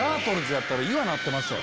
やったら岩になってましたよ。